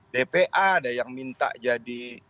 dpa ada yang minta jadi